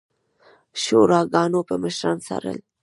شوراګانو به مشران څارل